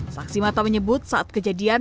saksi mata menyebut saat kejadian